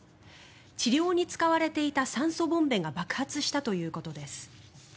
治療に使われていた酸素ボンベが爆発したということです。